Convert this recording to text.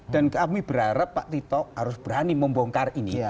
dan kami berharap pak tito harus berani membongkar ini